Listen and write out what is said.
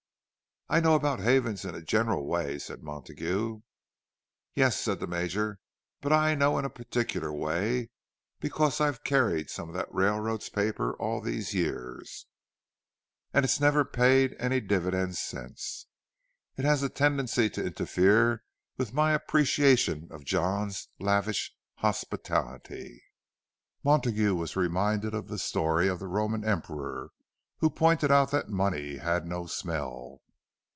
"I know about Havens in a general way," said Montague. "Yes," said the Major. "But I know in a particular way, because I've carried some of that railroad's paper all these years, and it's never paid any dividends since. It has a tendency to interfere with my appreciation of John's lavish hospitality." Montague was reminded of the story of the Roman emperor who pointed out that money had no smell.